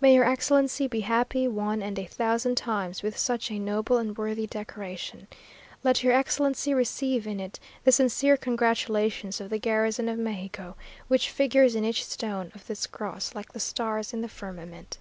"May your Excellency be happy one and a thousand times, with such a noble and worthy decoration. Let your Excellency receive in it the sincere congratulations of the garrison of Mexico, which figures in each stone of this cross, like the stars in the firmament."